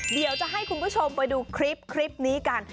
เดี๋ยวจะให้คุณผู้ชมไปดูคลิปนี้กัน